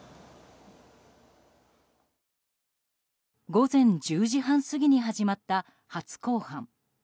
午前１０時半過ぎに始まった初公判。